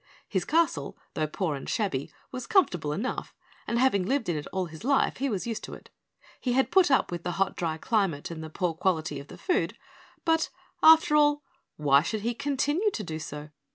His castle, though poor and shabby, was comfortable enough, and having lived in it all his life, he was used to it. He had put up with the hot dry climate and the poor quality of the food, but after all, why should he continue to do so?